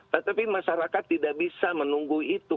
tetapi masyarakat tidak bisa menunggu itu